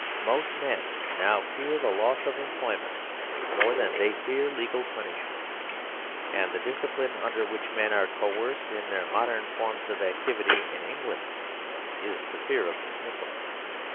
Most men now fear the loss of employment more than they fear legal punishment, and the discipline under which men are coerced in their modern forms of ac tivity in England is the fear of dismissal.